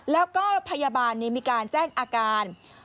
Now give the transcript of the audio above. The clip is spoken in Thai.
แล้วก็พยาบาลมีการแจ้งอาการ